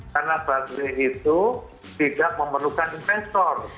karena busway itu tidak memerlukan investor